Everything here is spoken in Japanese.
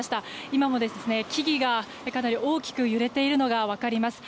今も、木々がかなり大きく揺れているのが分かります。